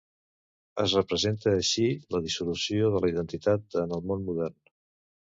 Es representa així la dissolució de la identitat en el món modern.